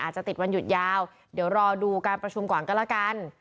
จะติดวันหยุดยาวเดี๋ยวรอดูการประชุมก่อนก็แล้วกัน